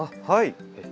はい。